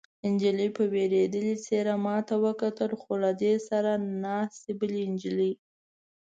نجلۍ په وېرېدلې څېره ما ته وکتل، خو له دې سره ناستې بلې نجلۍ.